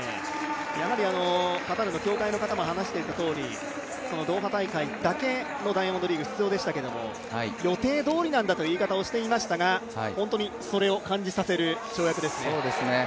カタールの協会の方も話していたとおりドーハ大会だけのダイヤモンドリーグ出場でしたけども予定どおりなんだという言い方をしていましたが本当にそれを感じさせる跳躍ですね。